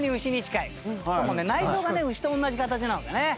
内臓がねウシと同じ形なのでね。